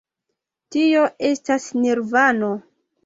Tio estas Nirvano.